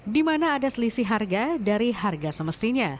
di mana ada selisih harga dari harga semestinya